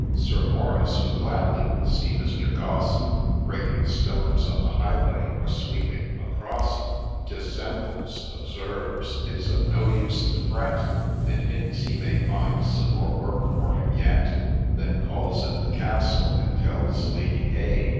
— Sir Maurice, who gladly would see Mr. Gaussen Breaking stones on the highway, or sweeping a crossing, Dissembles r observes, ' It 's of no use to fret,'— And hints he may find some more work for him yet ; Then calls at the castle, and tells Lady A.